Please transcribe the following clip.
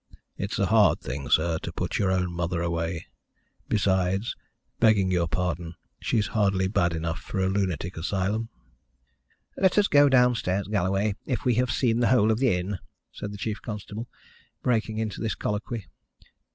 "It's a hard thing, sir, to put your own mother away. Besides, begging your pardon, she's hardly bad enough for a lunatic asylum." "Let us go downstairs, Galloway, if we have seen the whole of the inn," said the chief constable, breaking into this colloquy.